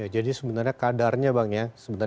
jadi sebenarnya kadarnya bang ya